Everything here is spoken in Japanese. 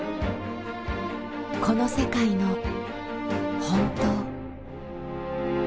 この世界の本当。